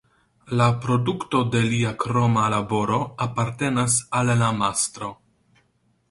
La produkto de lia kroma laboro apartenas al la mastro.